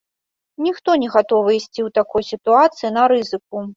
Ніхто не гатовы ісці ў такой сітуацыі на рызыку.